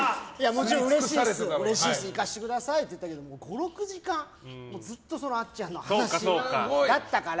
もちろんうれしいし行かせてくださいって言ったけど５６時間ずっとあっちゃんの話だったから。